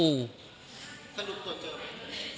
สรุปตรวจเจอไหม